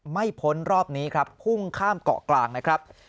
พ้นรอบนี้ครับพุ่งข้ามเกาะกลางนะครับ